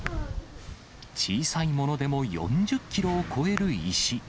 小さいものでも４０キロを超える石。